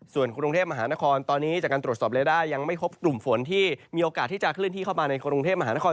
ส่วนกรุงเทพมหานครตอนนี้จากการตรวจสอบเรด้ายังไม่พบกลุ่มฝนที่มีโอกาสที่จะเคลื่อนที่เข้ามาในกรุงเทพมหานคร